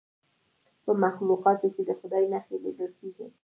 په مخلوقاتو کې د خدای نښې لیدل کیږي.